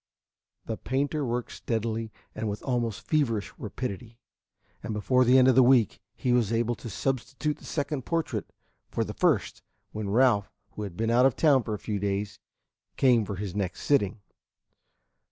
The painter worked steadily and with almost feverish rapidity, and before the end of the week he was able to substitute the second portrait for the first when Ralph, who had been out of town for a few days, came for his next sitting.